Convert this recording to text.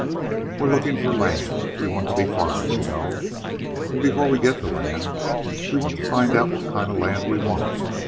"We're looking for land. We want to be farmers, you know, and before we get the land we want to find out what kind of land we want.